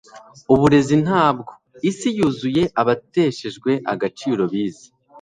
uburezi ntabwo; isi yuzuye abateshejwe agaciro bize